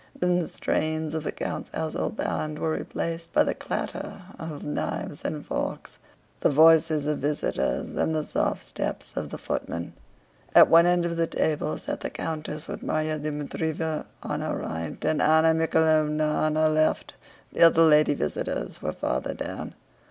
Then the strains of the count's household band were replaced by the clatter of knives and forks, the voices of visitors, and the soft steps of the footmen. At one end of the table sat the countess with Márya Dmítrievna on her right and Anna Mikháylovna on her left, the other lady visitors were farther down.